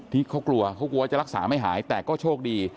ที่เขากลัวเขากลัวจะรักษาไม่หายแต่ก็โชคดี